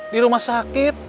di rumah sakit